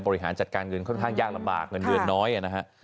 บริหารจัดการเงินค่อนข้างยากลำบากเงินเดือนน้อยนะฮะ